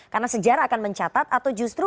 karena sejarah akan mencatat atau justru